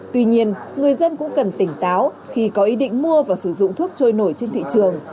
tuy nhiên người dân cũng cần tỉnh táo khi có ý định mua và sử dụng thuốc trôi nổi trên thị trường